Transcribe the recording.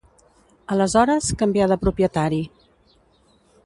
Aleshores canvià de propietari.